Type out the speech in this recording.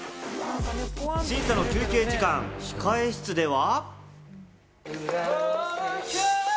審査の休憩時間、控え室では。